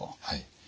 はい。